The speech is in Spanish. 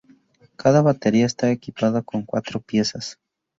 Cada batería estaba equipada con cuatro piezas.